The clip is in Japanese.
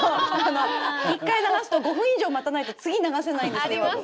１回流すと５分以上待たないと次、流せないんですよ。